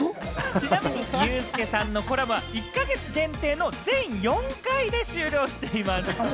ちなみにユースケさんのコラムは、１か月限定の全４回で終了しています。